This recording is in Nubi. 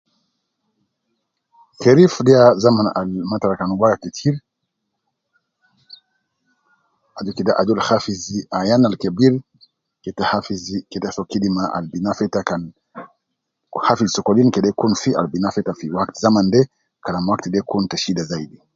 Kherif de ya zaman Al matara gibwaga ketir. Aju ajol kede hafidhi Ayan Al kebir keta hafidhi keta so kidima Al gi nafa ita